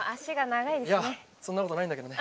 いやそんなことないんだけどね。